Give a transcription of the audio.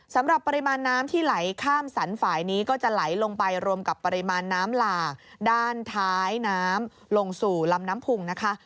สำหรับปริมาณน้ำที่ไหลข้ามสรรฝ่ายนี้ก็จะไหลลงไปรวมกับปริมาณน้ำหลากด้านท้ายน้ำลงสู่ลำน้ำพุงนะคะ